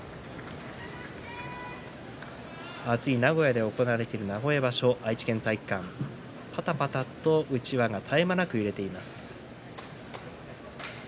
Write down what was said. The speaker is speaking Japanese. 暑い名古屋で行われている名古屋場所、愛知県体育館ぱたぱたとうちわが絶え間なく揺れています。